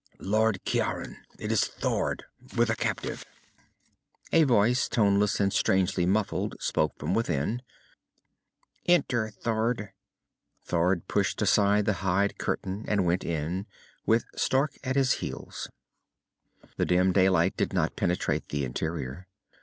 "Lord Ciaran! It is Thord with a captive." A voice, toneless and strangely muffled, spoke from within. "Enter, Thord." Thord pushed aside the hide curtain and went in, with Stark at his heels. The dim daylight did not penetrate the interior.